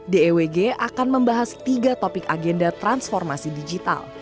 dewg akan membahas tiga topik agenda transformasi digital